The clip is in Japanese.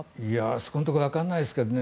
そのところはわからないですけどね。